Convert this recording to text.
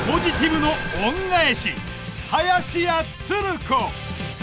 林家つる子。